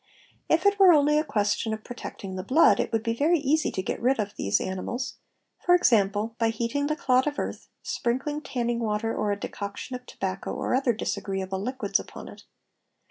If it were only a question of protecting the blood, it would be very easy to get rid off these animals, for example by heating the clod of earth, sprinkling tanning water or a decoction of tobacco or other disagreeable liquids upon it.